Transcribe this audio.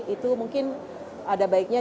itu mungkin ada baiknya